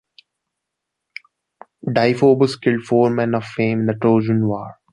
Deiphobus killed four men of fame in the Trojan War.